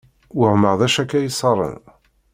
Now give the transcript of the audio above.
Wehmeɣ d-acu akka iṣaṛen!